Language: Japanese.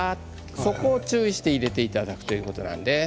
そこを注意して入れていただくということなんです。